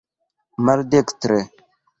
maldekstre